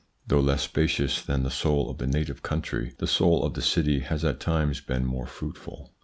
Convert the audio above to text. Though less spacious than the soul of the native country, the soul of the city has at times been more fruitful.